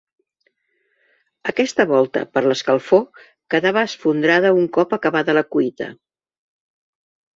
Aquesta volta, per l'escalfor, quedava esfondrada un cop acabada la cuita.